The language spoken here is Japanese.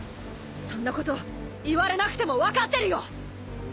そんなこと言われなくても分かってるよ！